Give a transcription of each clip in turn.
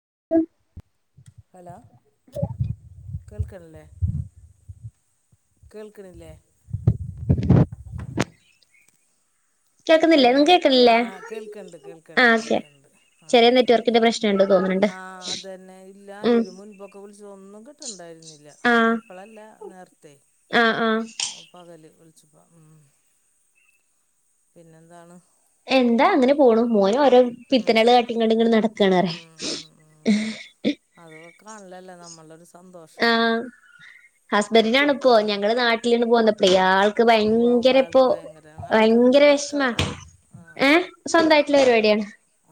[unintelligible] Hello കേൾക്കണല്ലേ കേൾക്കൺല്ലേ കേൾക്കുന്നില്ലേ ഹലോ നിങ്ങക്ക് ആ കേൾക്കുന്നില്ലേ ആ കേൾക്കണ്ട് ആ കേൾക്കണ്ട് ഓക്കെ കേൾക്കണ്ട് ആ ചെറിയ ആ ആ നെറ്റ്വർക്കിന്റെ പ്രശ്നണ്ട് തോന്നുന്നുണ്ട് ആ അതന്നെ ഇല്ല ഉം ഇതിന് മുൻപൊക്കെ വിളിച്ച ഒന്നും കിട്ടണ്ടായിരുന്നില്ല ആ ഇപ്പളല്ല നേരത്തെ ആ ആ പകല് [unintelligible] പിന്നെന്താണ് എന്താ അങ്ങനെ പോണം മോയോ പിത്തനകള് കാട്ടിങ്ങണ്ട് ഇങ്ങട് ക്കാണ് അ അത കാണലല്ലേ നമ്മളൊരു സന്തോഷം ഹസ്ബൻഡിനാണ് ഇപ്പോ മക്കടെ ഞങ്ങളുടെ നാട്ടിലന്ന് പോകുന്ന പ്രയാൾക്ക് ഉവ്വ ഉവ്വ ഭയങ്കര ഇപ്പൊ ആൾക്ക് ഭയങ്കര ആൾക്ക് എന്തിട്ടാ ഭയങ്കര വർക്ക് വിഷമാ അവിടെ ആ ഏ സ്വന്തമായിട്ടുള്ള പരിപാടിയാണ്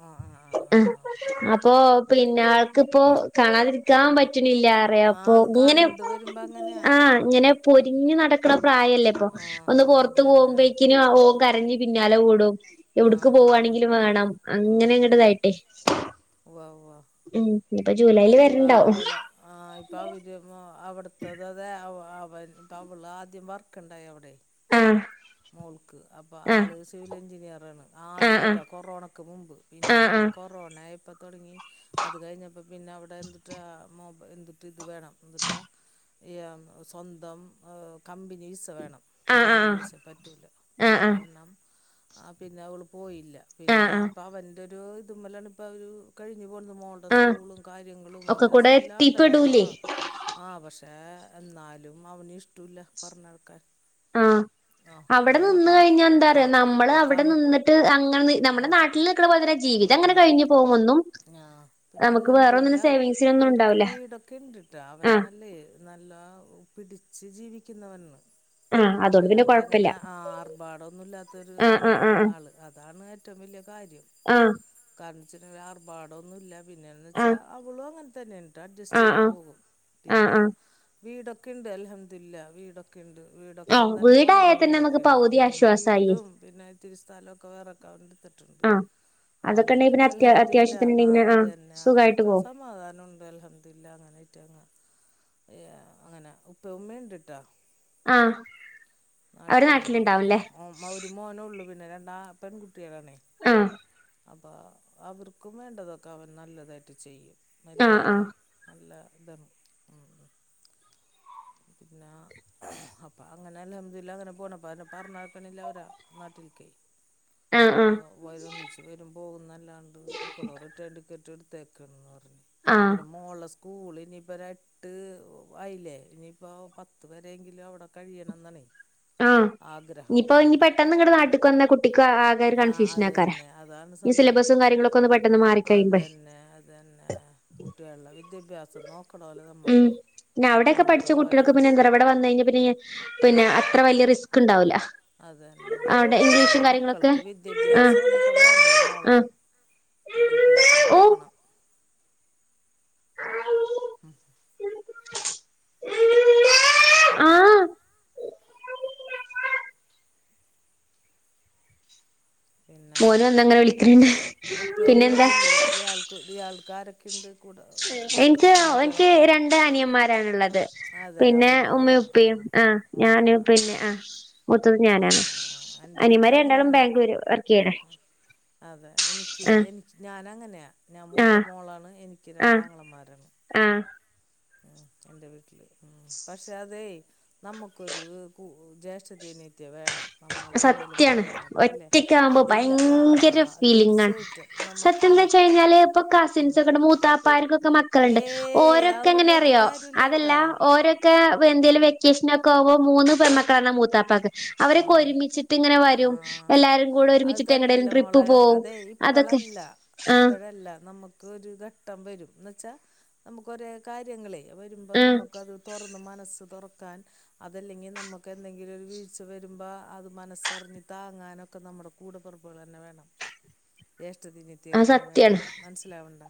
ആ ആ ആ ആ ആ അപ്പൊ പിന്നെ ആൾക്കിപ്പോ കാണാതിരിക്കാൻ പറ്റുന്നില്ലാറെ ആ ഉ അത് ഇങ്ങനെ കണ്ട് വരുമ്പോ അങ്ങനെയാ ആഹ് ഇങ്ങനെ പോ തിഞ്ഞു നടക്കണ പ്രായല്ലേ ഇപ്പൊ ആഹ് ഒന്ന് ആഹ് അത് പുറത്ത് തന്നെ പോകുമ്പോക്കിനും അ കരഞ്ഞ് പിന്നാലെ ഓടും എവ്ട്ക്ക് ആഹ് ആഹ് പോവാണെങ്കിലും വേണം ആഹ് ആഹ് അങ്ങനങ്ങട്ട്തായ്ട്ട് ഉവ്വ ഉവ്വ് ഇപ്പൊ ജൂലൈല് വര്ണണ്ടാവും [unintelligible] [unintelligible] മാരോൾ ആദ്യം വർക്ക് ഉണ്ടായി അവിടെ ആഹ് മോൾക്ക് അപ്പൊ ആഹ് ആള് സിവിലെഞ്ചിനി യറാണ് ആഹ് ആദ്യട്ടാ കൊറോണക്ക് മുമ്പ് പിന്നെ ആഹ് കൊറോണയ്പ്പോ തൊടങ്ങി അത് കഴിഞ്ഞ പിന്നെ അവിടെ എന്തുട്ടാ മൊബ് എന്തിട്ട് ഇത് വേണം എന്തുട്ടാ യാ സ്വന്തം കമ്പനി വിസ വേണം ആഹ് ആഹ് ആഹ് ഫാമിലി വിസ ആഹ് പ പ്പ ത് ആഹ് ആഹ് കാരണം ആഹ് പിന്നെ അവള് പോയില്ല പിന്നെ ആഹ് ആഹ് അപ്പ അവന്റെ ഓ [unintelligible] പ്പവര് കഴിഞ്ഞു കൊടന്നു മോളുടെ ആഹ് സ്കൂളും കാര്യങ്ങളും ഒക്കെ കൂടെ മദ്രസല്ലാണ്ടല്ല എത്തിപ്പെടൂലേ ആഹ് ആഹ് പക്ഷ് ഏ എന്നാലും അവനുഷ്ട്ടൂല്ല പറഞ്ഞടക്കാൻ ആഹ് അവിടെ നിന്ന് ആ കഴിഞ്ഞാന്താറിയോ നമ്മള് അവ്ടെ ഇപ്പം നിന്നിട്ട് അങ്ങനെ ആ നമ്മുടെ നാട്ടിൽ നിക്കണപോലത്തന്നെ ഉം ജീവിതം അങ്ങനെ ഉം കഴിഞ്ഞു പോകും ആ പിന്നെ നമുക്ക് വേറ അൽഹംദുലില്ല ഒന്നും അവർക്ക് സേവിങ്സിനൊന്നുണ്ടാവൂല വീടൊക്കെ ഉണ്ട് കേട്ടോ അവൻ ആഹ് നല്ല നല്ല പിടിച്ച് ജീവിക്കുന്നവനാണ് ആഹ് അതോണ്ട് കൊയ് അല്ലാണ്ട് അങ്ങനെ ആർഭാടല്ലാതൊരു ആഹ് ആഹ് ആളാണ് ആഹ് ആള് അതാണ്‌ ഏറ്റംവല്യ കാര്യം ആഹ് ക ച്ച്രേ ആർഭാടൊന്നുല്ല പിന്നെന്ന് വെച്ചാ ആഹ് അവളോ അങ തന്നെയാ അഡ്ജസ്റ്റ് ആഹ് ചെയ്ത് ആഹ് പോകും ആഹ് പിന്നാ ആഹ് വിട്ടൊക്കെയുണ്ട് അൽഹംദുലില്ലാ വീടൊക്കെ ണ്ട് വിടൊക്കെ അവൻ ആഹ് തന്നെ പണി വീടായാൽ തന്നെ നമുക്ക് വീടൊക്കെണ്ട്. പകുതി ആശ്വാസായി വീടും പിന്നെ ഇത്തിരി സ്ഥലൊക്കെ വേറക്കവൻ ഇട്ത്ത്ട്ട്ണ്ട്. ആഹ് അപ്പം അതൊക്കെ ഉണ്ടെങ്കി അങ്ങനെക്കെ പിന്നെ അത്യാ അൽഹംദുലില്ലാ. ഹാ അത്യാവശ്യത്തിനുണ്ടെങ്കി പിന്നെ അത് ആഹ് തന്നെ സുഖായിട്ട് അതൊക്കെ പോവും സമാധാനമുണ്ട്. അൽഹംദുലില്ലാഹ്. അങ്ങനെ [unintelligible] അങ്ങനെ ഉപ്പ ഉമ്മയുണ്ട് ട്ടാ ആഹ് അവര് നാട്ടില്ണ്ട്. നാട്ടിലുണ്ടാവുംല്ലേ ഒമ് ഒര് മോനൊള്ളൂ ന്നെ രണ്ടാ പെൺകുട്ടികളാണെ ആഹ് അപ്പം അവർക്കും വേണ്ടതൊക്കെ അവൻ നല്ലതായിട്ട് ചെയ്യും ആഹ് മരുമകനേ.. ആഹ് നല്ല താണ് ഉ ഉം പിന്നാ അപ്പം അങ്ങന അൽഹംദുലില്ലാ അങ്ങന പോണ്. പ്പതിനെ പറഞ്ഞായ്ക്കണില്ല വര നാട്ടില്ക്ക് ആഹ് ആഹ് ഓ വരോന്ന് വെച്ച് വരും പോവുന്നല്ലാണ്ട്. ഇപ്പളും റിട്ടേൺ ടിക്കറ്റ് ഇട് ത്തേക്ക്ൺന്ന് പർ ആഹ് പിന്നെ മോള സ് കുളിനിപ്പം ര് എട്ട് ആയില്ലേ. ഇനി ഇപ്പം പത്ത് വരെങ്കിലു അവിടെ കഴിയണം ന്നാണെ. ആഹ് ഇനിപ്പം ഇഞ് പെട്ടെന്നിങ്ങട് നാട്ടിക്ക് കുട്ടിക്ക് ആ കെ ര് ആഹ് അത് കൺഫ്യൂഷനാക്കാര. തന്നെ അതാണ് ഈ സംഭവം സിലബസ്സും കാര്യങ്ങളൊക്കൊന്ന് പെട്ടെന്ന് മാറി അത് കഴിയുമ്പഴ്. തന്നെ അത് തന്നെ കുട്ടികളുടെ വിദ്യാഭ്യാസം നോക്കണോല്ലോ നമ്മ ഉം പിന്നവിടെക്കെ പണ്ടത്തെ പഠിച്ച കുട്ടികൾക്ക് പോലെയല്ല പിന്നെന്താറിയോ ഇവടെ വന്നഴിഞ്ഞാ പിന്നെ ഈ പിന്നെ ആഹ് ഇത്ര വലിയ റിസ്‌കുണ്ടാവുല്ല. അതന്നെ നമ്മൾടെ കാര്യങ്ങളൊക്കെ മക്കൾക്ക് ആഹ് വിദ്യാഭ്യാസാണ് ഇപ്പ വേണ്ടത് മോളെ ആഹ് വിദ്യാഭ്യാസം ഓ കൊടുക്കണം ആഹ് പിന്നെ മോന് വന്നങ്ങനെ വിളിക്കണ്ണ്ട് പിന്നെന്താ ക്കാരക്കെയുണ്ട് എനിക്ക് എനിക്ക് രണ്ട് അനിയൻമാരാണ് ഉള്ളത് അതെ ആ പിന്നെ ഒരു ഉമ്മയും മോളാണ് ഉപ്പയും ആഹ് ആ ആഹ് ആഹ് ഞാനും ആഹ് പിന്നെ ആ മു ത്തും ആഹ് ഞാനാണ് ആഹ് ആഹ് എൻ്റെ അനിയൻമാര് രണ്ടാളും വീട്ടിലങ്ങനെയാണ് ബാഗ്ലൂര് വർക്കെയ്യാണ് അതെ എനിക്ക് എനിക്ക് ഞാനങ്ങനെ [unintelligible] ഞാൻ ആഹ് മൂത്തമോളാണ് എനിക്ക് ആഹ് രണ്ടാങ്ങളമാരാണ് ആഹ് [unintelligible] എൻ്റെ വിട്ടില് പക്ഷെ അതെ നമുക്കൊരു ജ്യേഷ്ഠതി അനി സത്യാണ് ഇല്ലേ ഒറ്റക്ക ആവുമ്പോ അതില്ല ആ ഭയങ്കര ഫീലിംഗ ആണ് തീർച്ചയായിട്ടും സത്യ നമുക്ക് എന്ന് വെച്ച കഴിഞ്ഞാല് ഇപ്പൊ കസിൻസ് ഒക്കെ മൂത്താപ്പാർക്കെ മക്കളണ്ട് ഏയ് ഓരോക്കെ അതൊന്നും എങ്ങനെ ഉണ്ടായിട്ട് അറിയോ അതല്ല കാര്യമില്ലാട്ടാ ഓരൊക്കെ ന്തേലും വെ കൃഷ്ണകാവോ മൂന്നു പെൺ മക്കൾ ആണ് മൂത്തപ്പാക്ക് അവരെ ആഹ് ഒരുമിച്ചിട്ട് ഇങ്ങനെ വരും ആഹ് എല്ലാവരും അത് തന്നല്ല മോളെ അതെ അതൊക്കെ ഇപ്പളല്ല ആഹ് ഇപ്പഴല്ല നമുക്ക് ഒരു ഇത് ഇത്തം വരും ന്ന് വച്ചാ നമുക്ക് ഒര് കാര്യങ്ങളെ വരുമ്പോ ആഹ് നമുക്ക് അത് തുറന്ന് മനസ്സ് തുറന്ന് താൻ അതല്ലെങ്കി നമുക്ക് എന്തെങ്കിലും ഒരു വീഴ്ച വരുമ്പോ അത് മനസ്സറിഞ്ഞ് താങ്ങാനൊ നമുക്ക് നമ്മുടെ കൂടെപിറപ്പുകള് തന്നെ വേണം ഏഷ് ത്തി അനിയത്തി അത് തന്ന വേണം സത്യാണ് മനസ്സിലാവണ്ട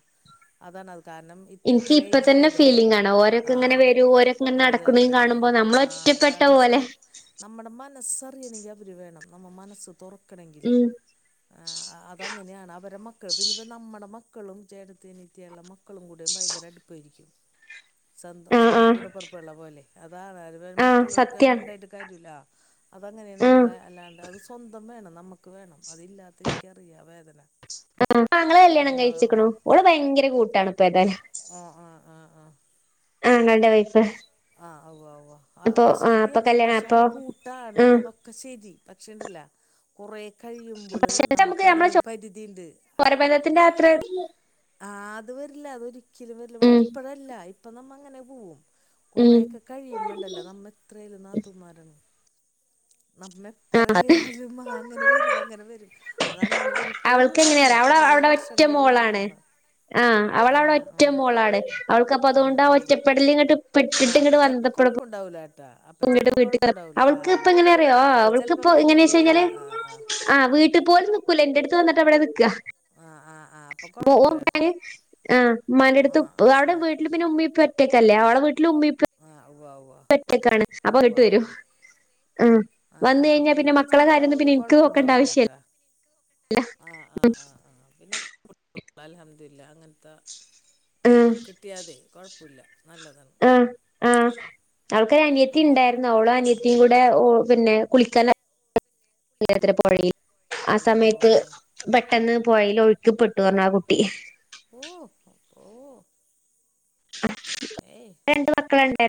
അതാണ് അത് കാരണം ഇത്ര എനിക്ക് ഇത്ര ഇപ്പ ഏജ് തന്നെ ആയതല്ലേ ഫീലിംഗ് ആണ് ഓരോക്കെ ആ ഇങ്ങനെ വരും ഓരോക്കെ ഇങ്ങനെ അത് നടക്കുണേ തന്നെ കാണുമ്പോ നമ്മള് ആ ഒറ്റപ്പെട്ട പോലെ ലെസ്സറി എനികാത്തൊരു വേണം നമ്മ മനസ്സും തുറക്ക് നിക്കണെങ്കില് ഉം ആ അതങ്ങനെയാണ് അവർടെ മക്കൾ പിന്നിപ്പം നമ്മടെ മക് മക്കളും ചേട്ടത്തി അനിയത്തിയായുള്ള മക്കളും കൂടെ ഭയങ്കര അടുപ്പായിരിക്കും സ്വന്തം ആഹ് സ്വന്തം ആഹ് കൂടെപ്പിറപ്പ് ള്ള പോലെ അതാന്ന് അത് ആഹ് മറ്റുള്ളവർക്ക് അങ്ങനെ സത്യാണ് ഉണ്ടായിട്ട് കാര്യല്ല അതങ്ങനെയാണ് ആഹ് മോളെ അല്ലാണ്ട് അത് സ്വന്ത വേണം നമുക്ക് വേണം അതില്ലാത്തേ എനിക്കറിയാം വേദന ആ എന്റാങ്ങള കല്യാണം നമ്മൾ കഴിച്ചേക്കണു ഓള് ഭയങ്കര കൂട്ടാണ് ഇപ്പ ഏതാലും ആ ആ ആ ആ ആ ആവുവോ ആവുവോ ആ അപ്പൊ ഒക്കെ അപ്പൊ ശെരിയാണ് കല്യാണം പക്ഷെ അപ്പൊ കൂട്ടാണ് ഉം അതൊക്കെ ശരി പക്ഷിയുണ്ടല്ല കുറേ കഴിയുമ്പള് ചെലപ്പോ നമുക്ക് നമ്മളെ അതിനൊരു പരിധി ഉണ്ട് ചോരബന്ധത്തിന്റെ അത്ര ആ അത് വരില്ല അതൊരിക്കലും വരില്ല നമ്മള് ഉം അതിപ്പിഴല്ല ഇപ്പ നമ്മങ്ങനെ ഉം കൊറേക്കെ കഴിയുമ്പണ്ടല്ലോ നമ്മ ഇത്രം നാത്തൂന്മാരാണ് നമ്മ് എത്രേയാലും ആ അങ്ങനെ വരും അങ്ങനെ വരും അതങ്ങനെ വരും ഇപ്പഴൊന്നും അവൾക്ക് ഇണ്ടാവൂല എങ്ങനെയാറിയോ അവള് കൊറേ അവിടെ ഒറ്റ വർഷങ്ങൾക്കോയി മോളാണ് കഴിയുമ്പോ ആഹ് ആ അവളവിടെ ആ ഒറ്റ മോളാണ് അവൾക്കപ്പൊ അതുകൊണ്ട് ആ ഒറ്റപ്പെടല് ഇങ്ങട്ട് ആ പെട്ടിട്ട് അപ്പ ചെലപ്പൊ കൊഴപ്പൂണ്ടാവൂല കേട്ടാ പൊന്നിയുടെ ചെലപ്പോ വീട്ടുകാർ കൊഴപ്പുണ്ടാവൂല ആ അവൾക്ക് ഇപ്പ എങ്ങനെയാ അറിയോ അപ്പൊ ചെലപ്പോ അവൾക്കിപ്പോ മോളോട് എങ്ങനെശ് ആ കഴിഞ്ഞാല് ആ ആ വീട്ടിൽ പോലും നിക്കൂല എന്റെടുത്ത് വന്നിട്ട് എവിടെ നിക്കുക ആ ആ ആ അപ്പൊ പോവും കൊഴപ്പല്ല കേട്ടാ നേ ആ ആ മ്മാന്റെടുത്ത് ആ അവിടെ ആ വീട്ടിൽ പിന്നെ ഉമ്മി ഇപ്പം ഒറ്റക്കല്ലേ അവടെ വീട്ടിലും ഉമ്മി ഇപേ ആ ഉവ്വ ഉവ്വ ഉപ്പ ഒറ്റക്കാണ് അപ്പൊ ഉവ്വ വൈകിട്ട് ഉവ്വ വരും ആ ആ ആ വന്ന് കഴിഞ്ഞാ അപ്പൊ പിന്നെ മക്കള ചെലപ്പോ കാര്യം ഒന്നും അവള് പിന്നെ എനിക്ക് നോക്കേണ്ട കൊഴപ്പുണ്ടാവൂല ആവശ്യല്ല കേട്ടാ അല്ല ആ ആ ഉം അതില്ല അങ്ങനെ കിട്യാതെ കുഴപ്പല്ല നല്ലതണ് ആ അവൾക്കൊര നിയത്തിണ്ടാരുന്നു ഓളോ പിന്നെ അനിയത്തി കൂടെ ഓ പിന്നെ കുളിക്കാനാ പുഴ ആ അള്ളോ സമയത്ത് പെട്ടന്ന് പുയല് ഒഴുക്കിപ്പെട്ടു പറഞ്ഞാ ആ കുട്ടി ഓ ഓ ഏയ് രണ്ട് മക്കള്ണ്ട്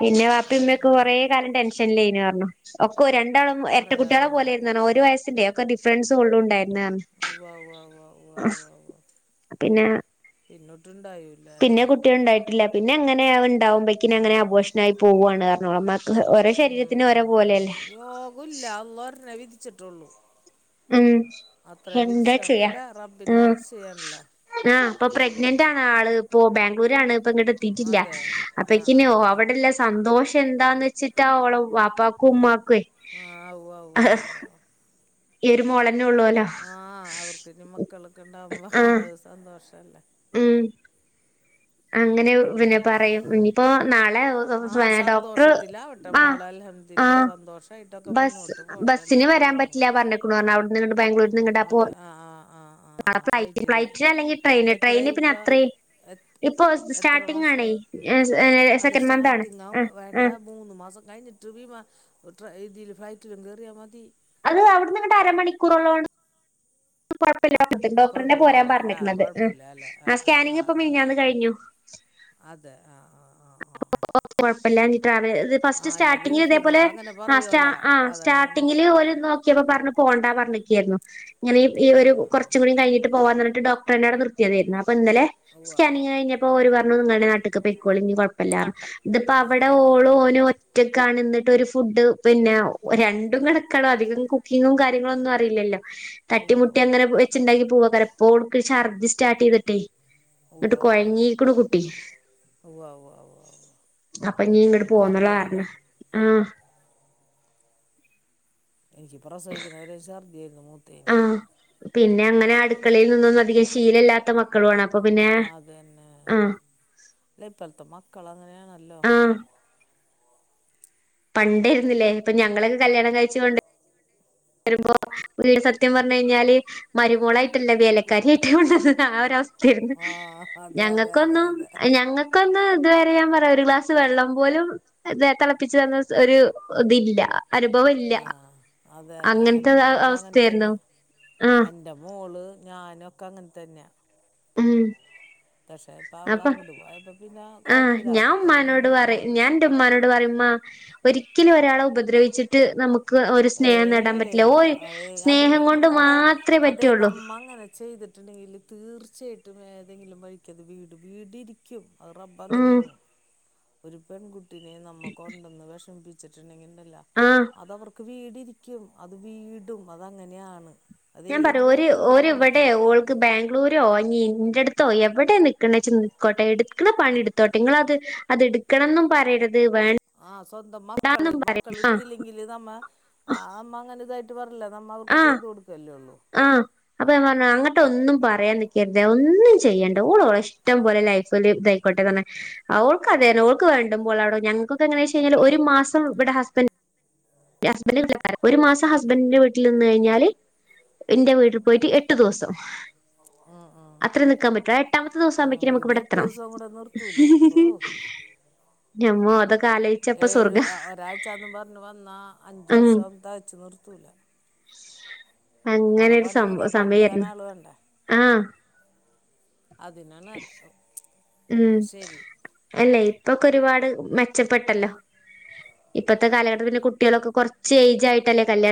പിന്നെ വാപ്പിമ്മൊക്കെ കൊറേ കാലം ടെൻഷനലേനു പറഞ്ഞു ഒക്ക് രൺ രണ്ടാളും എരട്ട കുട്യാളെ പറയാനുണ്ടോ പോലെരുന്നേന്ന് ഒരു വയസ്സിന്റെയൊ ഡിഫറൻസ് കൊള്ളുണ്ടായ് ഉവ്വ ഉവ്വ ഉവ്വ ഉവ്വ ഉവ്വ ഉവ്വ പിന്നെ ഇന്നട്ട് പിന്നെ കുട്ടിയൊണ്ടായിട്ടില്ല. ന്നെ എങ്ങനെയവൻ ണ്ടാവുമ്പക്കിനും അങ്ങനെ അബോഷണായി പോവുവാണ് പറഞ്ഞു. മ്മാക്ക് ഓരോ ഉം ശരീരത്തിനും ഓരോ ഉം പോലെല്ലേ? ച്ചിട്ടുള്ളൂ ഉം എന്താ ചെയ്യാ അല്ല റബ്ബിൻ്റെ ഉം നിശ്ചയാണല്ലോ ആ ഇപ്പോ പ്രെഗ്നന്റാ ആള് ഇപ്പോ ബാംഗ്ലൂരാണ്. ങ്ങടെത്തീട്ടില്ല അതെ ആ അപ്പക്കിന് ആ ആ അവിടെള്ള സന്തോഷ് ന്താന്ന് വെച്ചിട്ടാ ഓള വാപ്പാക്കും ഉമ്മാക് ആ ഉവ്വ ഉവ്വ ഉവ്വ [unintelligible] എരുമോളെ ആ അവർക്ക് ഇനി മക്കളൊക്കെണ്ടാവുമ്പോ ആ ആഹ് സന്തോഷം. ഉം അങ്ങനെ പിന്നെ പറയും ഇനിയിപ്പോ നാ ആ സന്തോഷത്തിലാവട്ടെ ആഹ് മോളെ. അൽഹംദുൽഹില്ലാ. ആഹ് സന്തോഷായിട്ടൊക്കെ ബസ് മുന്നോട്ട് പോട്ടെ എല്ലാ കുടുംബങ്ങളും. നിങ്ങ്ട ബാംഗ്ലൂര്ന്ന് ആഹ് ങ്ങട് അപ്പോ അതെ ആഹ് ആഹ് ആഹ് ആഹ് ആഹ് ഫ്ലൈറ്റ് ഫ്ലൈറ്റില് ഫ്ലൈറ്റ് അല്ലെങ്കി ട്രെയിന് ട്രെയിന് എത്രയായി പിന്നെ ഇപ്പ അത്രീം എത് എത്ര മാസായി? അതേ സെക്കൻഡ് മന്ത് ആണ് സ്റ്റാർട്ടിങ് ആ ആകുമ്പ വേണ്ട. ആ മൂന്ന് മാസം കഴിഞ്ഞിട്ട് വീമാ ഇതില് ഫ്ലൈറ്റിലും കേറ്യാമതി. അത് അവിടന്നിങ്ങട്ട് അരമണിക്കൂറൊള്ളോ കൊഴപ്പില്ല ഡോക്ടറന്നെ കൊഴപ്പല്ല പോരാൻ അല്ലേ ആഹ് പറഞ്ഞിക്കണത്. കൊഴപ്പല്ല അല്ലേ ആ ആഹ് ആഹ് സ്കാനിങ് ഇപ്പ ആഹ് ആഹ് മിനിഞ്ഞാന്ന് ആഹ് കഴിഞ്ഞു. അതെ ആഹ് ആഹ് ആഹ് ആഹ് കൊഴപ്പില്ലാഞ്ഞിട്ടാണ്. ഫസ്റ്റ് ആഹ് അല്ല സ്റ്റാട്ടിങ്ങിൽ ഇതേപോലെ ഗൾഫീന്നൊക്കെ അങ്ങനെ ആ സ്റ്റാ പറയുവോലാ ആ അതാണ് ഞാൻ സ്റ്റാട്ടിങ്ങില് ഓര് നോക്കിയപ്പോ പറഞ്ഞു പോ ണ്ടാ പറഞ്ഞിക്കായിരുന്നു. ഇങ്ങവേ ഈ ആഹ് ഒരു ആഹ് ആഹ് കൊറച്ചും കൂടി കഴിഞ്ഞിട്ട് പോവാന്ന്റഞ്ഞിട്ട് ഡോക് ക്ടറന്നെവടെ നിർത്തിയതായിരുന്ന് പ്പന്നലെ ഉവ്വ സ്കാനിംഗ് കഴിഞ്ഞപ്പോ ഓര് പറ നിങ്ങടെ നാട്ട്ക്ക് പൊയ്ക്കോ ഞി ഇനി കൊഴപ്പല്ലാന്ന്. കൊഴപ്പല്ല ത്പ്പോ ആഹ് അവടെ ആഹ് ആഹ് ഓള് ആഹ് ഓനും ഒറ്റക്കാണ് ന്ന് ട്ട് ഒരു ഫുഡ് പിന്നെ രണ്ടും കണക്കാണ്. അധികം കുക്കിങ്ങും കാര്യങ്ങളൊന്നും അറില്ലല്ലോ. [unintelligible] ഉവ്വ് തട്ടിമുട്ടി ഉവ്വ് അങ്ങനെ വെച്ചുണ്ടാക്കി പോവ അന്നേരം. ഓള്ക്ക് ഛർദി സ്റ്റാർട്ട് ചെയ്തിട്ടേ എന്നിട്ട് ഉവ്വ് ഉവ്വ് കുഴഞ്ഞീക്കൂണു കുട്ടി. ഉവ്വ് ഉവ്വ് ഉവ്വ് ഉവ്വ് അപ്പ ഞി ഇങ്ങട് പോന്നുള്ളറഞ്ഞ ഇൻക്കറിയാലോ ഉം. എനിക്ക് പ്രസവിക്കണ വരെ ശർദ്യാരുന്നു മൂ ആഹ്. പിന്നെ അങ്ങനെ അടുക്കളെല് നിന്നൊന്നും അധികം ശീലല്ലാത്ത മക്കളും ആണ് അ അതന്നെ അല്ല ഇപ്പൾത്തെ മക്കള് അങ്ങനെ ആണല്ലോ. ആഹ് പണ്ടേരുന്നില്ലേ ഇപ്പൊ ഞങ്ങളൊക്കെ കല്യാണം കഴിച്ച് കൊണ്ടെ രുമ്പോ വീ സത്യം പറഞ്ഞു കഴിഞ്ഞാല് മരുമോളായിട്ടല്ല വേലക്കാരിയിട്ട കൊണ്ടന്നത് ആ ഒരവസ് ഥായിരുന്ന് ആഹ് അതെ അതെ അതെ ഞങ്ങക്കൊന്നും അതെ ഞങ്ങക്കൊന്ന് ഇതുവരെ ഞാൻ പറയാ ഒരു ഗ്ലാസ് വെള്ളം പോലും ദേ തെളപ്പിച്ചു തന്ന സ് ഒരു തില്ല അനുഭവില്ല. ആഹ് അതെ അതെ എൻ്റെ മോളങ്ങനെ തന്നെ ആഹ് എൻ്റെ മോള് ഞാനൊക്കെ അങ്ങനെ തന്നെയാ. ഉം പക്ഷേ ഇപ്പം അവള് അപ്പൊ അങ്ങട് പോയപ്പോ പിന്നെ ആഹ് കൊഴപ്പല്ല ഞാൻ അതൊക്കെ ഉമ്മാനോട് പറയും തന്നെയാണ് ഞാൻന്റെ ഉമ്മാനോട് പറയും ഇമ്മാ ഒരിക്കലും ഒരാളെ ഉപദ്രവിച്ചിട്ട് നമു ക്ക് ഒരു സ്നേഹം നേടാൻ പറ്റില്ല ഏയ് ഓര് ഏയ് അത് സ്നേഹം വീടും കൊണ്ട് മോളെ മാത്രേ പറ്റൊള്ളൂ തീർച്ചായിട്ടും ഏതെങ്കിലും വഴിക്കത് വീടും വീട്ടിയിരിക്കും അത് റബ് ഉം അങ്ങനെരുന്നു ഒരു പെൺ കു ട്ടിനിം നമ്മ കൊണ്ടന്ന് വെഷമിപ്പി ചിട്ടിണ്ടെങ്കി തില്ല ആഹ് അത് അവർക്ക് വീട് ഇരിക്കും അത് വീടും അതങ്ങനെയാണ് അത് ഞാൻ പറ ഏത് ഓര് വഴിക്കെന്ന് ഓര് പറയാൻ ഇവടെ പറ്റില്ല ഓൾക്ക് ബാംഗ്ലൂരോ ഇനി ഇൻ്റെട് ത്തോ എവടെ നിക്ക്ണെച്ചാ നിക്കോട്ടെ എട്ക്കണ പണി എടുത്തോട്ടെ നിങ്ങള് അത് അത് ഇട്ക്കണന്നും പറയരു ആഹ് സ്വന്തം മക്കള് മക്കള് ഇട്ത്തീല്ലെങ്കില് നമ്മ ആ അമ്മ അങ്ങനെ താ ട്ട് പറല്ല ആഹ് ആഹ് അതാ ഞാൻ പറഞ്ഞേ അങ്ങട്ട് ഒന്നും പറയാൻ നിക്കരുത് ഒന്നും ചെയ്യണ്ട ഓള് ഓളെഷ് ഇഷ്ടം പോലെ ലൈഫ് ല് ഇതായിക്കോട്ടെ പർണ് ഓൾക്ക് അതെരെ ഓൾക്ക് വേണ്ടംമ്പോലെ അവ്ടെ ഞങ്ങക്കൊക്കെ എങ്ങനാ ചോയിച്ച് കഴിഞ്ഞാൽ ഒരു മാസം ഇബടെ ഹസ്ബൻഡ് ഹസ്ബൻന്റിന്റെ വീട്ടിലെയിക്കാരം ഒരു മാസം ഹസ്ബൻഡന്റെ വീ വീട്ടിൽ നിന്ന് കഴിഞ്ഞാല് ഇന്റെ വീട്ടിൽ പോയിട്ട് എട്ട് ദിവസം ഉം ഉം അത്ര നിക്കാൻ പറ്റൊള്ളെ പത്ത് ഉം ദിവസാവുമ്പോഴ്ക്കിനും നമുക്ക് ഇത് ഇവടെ എട്ട് എത്തണം ദിവസം കൂടെ നിർത്തൂല ഓ ഞാ മൊ ഏഴ് ഒരാഴ്ച്ചാന്നും പറഞ്ഞ് വന്നാ അഞ്ചു ഉം ദിവസം തെകച്ച് നിർത്തൂല. അങ്ങനെ അയുടെ ഒരു പണി ഇട്ക്കാ സംഭവ പണി ഇട്ക്കാൻ സമയായിരുന്നു ആൾ വേണ്ടേ ആഹ് അതിനണ് അല്ല ഉം അഅല്ലെയ് ഏയ് ഇപ്പൊക്കെ ഒരുപാട് മെച്ചപ്പെട്ടല്ലോ ഇപ്പത്തെ കാലഘട്ടത്തി പിന്നെ കുട്ടാളൊക്കെ കൊർച്ച് ഏജ് ആയിട്ടല്ലേ കല്യ